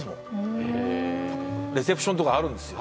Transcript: レセプションとかあるんですよ。